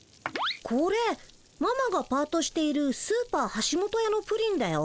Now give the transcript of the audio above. これママがパートしているスーパーはしもとやのプリンだよ。